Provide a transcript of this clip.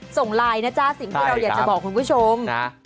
ส่งไลน์นะจ๊ะสิ่งที่เราอยากจะบอกคุณผู้ชม